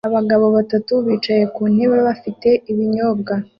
Abagabo batatu bicaye ku ntebe bafite ibinyobwa